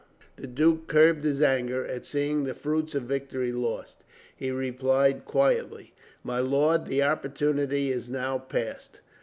The duke curbed his anger at seeing the fruits of victory lost. He replied quietly: "My lord, the opportunity is now past."